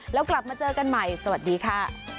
แล้วกลับมาเจอกันใหม่สวัสดีค่ะ